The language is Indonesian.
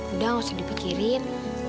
udah nggak usah dipikirin